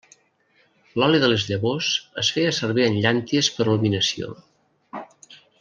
L'oli de les llavors es feia servir en llànties per il·luminació.